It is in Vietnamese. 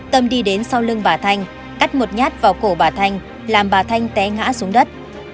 tâm đi đến sau lưng bà thanh cắt một nhát vào cổ bà thanh làm bà thanh té ngã xuống đất